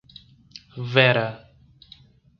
Vera